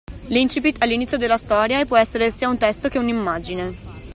L'incipit è l'inizio della storia e può essere sia un testo, che un'immagine.